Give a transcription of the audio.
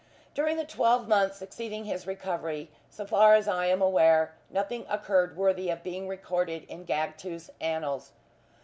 During the twelve months succeeding his recovery, so far as I am aware, nothing occurred worthy of being recorded in Gagtooth's annals.